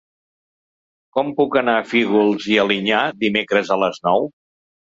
Com puc anar a Fígols i Alinyà dimecres a les nou?